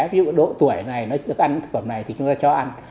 ví dụ độ tuổi này nó thức ăn thực phẩm này thì chúng ta cho ăn